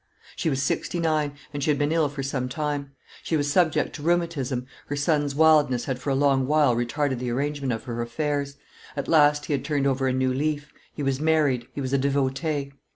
She was sixty nine, and she had been ill for some time; she was subject to rheumatism; her son's wildness had for a long while retarded the arrangement of her affairs; at last he had turned over a new leaf, he was married, he was a devotee.